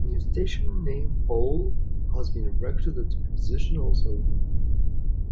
A new station name pole has been erected at the position also.